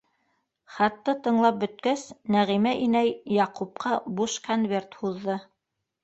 Хатты тыңлап бөткәс, Нәғимә инәй Яҡупҡа буш конверт һуҙҙы: